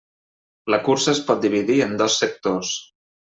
La cursa es pot dividir en dos sectors.